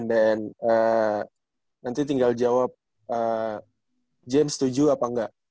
and then nanti tinggal jawab james setuju apa engga